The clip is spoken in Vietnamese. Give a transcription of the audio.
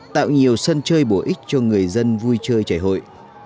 tạo nhiều sân chơi bổ ích cho người dân vui chơi trẻ hội